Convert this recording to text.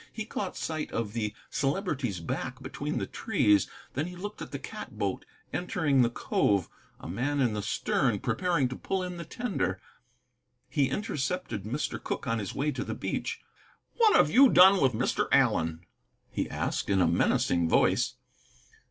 He caught sight of the Celebrity's back between the trees, then he looked at the cat boat entering the cove, a man in the stern preparing to pull in the tender. He intercepted Mr. Cooke on his way to the beach. "What have you done with Mr. Allen?" he asked, in a menacing voice.